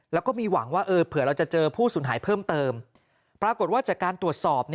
แล้วก็มีหวังว่าเผื่อเราจะเจอผู้สูญหายเพิ่มเติมปรากฏว่าจากการตรวจสอบ